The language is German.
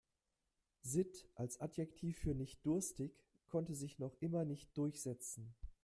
Sitt als Adjektiv für nicht-durstig konnte sich noch immer nicht durchsetzen.